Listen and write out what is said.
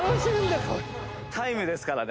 タイムですからね